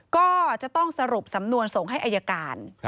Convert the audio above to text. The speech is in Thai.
ก็จะต้องสรุปสำนวนส่งให้อายการ